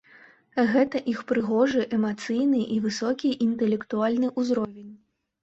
Гэта іх прыгожы, эмацыйны і высокі інтэлектуальны ўзровень.